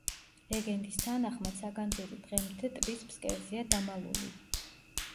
ლეგენდის თანახმად საგანძური დღემდე ტბის ფსკერზეა დამალული.